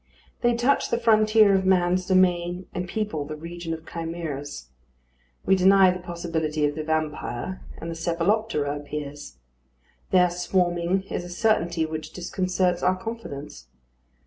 They touch the frontier of man's domain and people the region of chimeras. We deny the possibility of the vampire, and the cephaloptera appears. Their swarming is a certainty which disconcerts our confidence.